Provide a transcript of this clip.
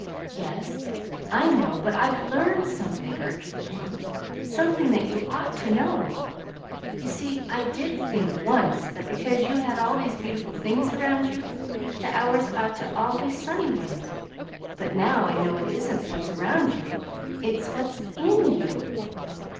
"Yes, I know, but I've LEARNED something," urged the boy; "something that you ought to know. You see, I did think, once, that because you had all these beautiful things around you, the hours ought to be all sunny ones. But now I know it isn't what's around you; it's what is IN you!"